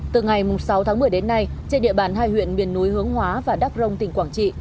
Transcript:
từ ngày sáu tháng một mươi đến nay trên địa bàn hai huyện miền núi hướng hóa và đắk rông tỉnh quảng trị